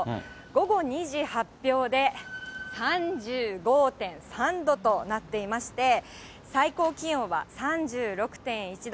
午後２時発表で３５．３度となっていまして、最高気温は３６．１度。